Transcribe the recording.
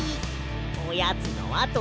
おやつのあとでな！